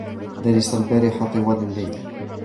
درس البارحة طوال الليل.